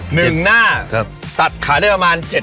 หนึ่งหน้าตัดขายได้ประมาณ๗๘ชิ้น